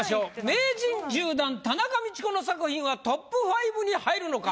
名人１０段田中道子の作品はＴＯＰ５に入るのか？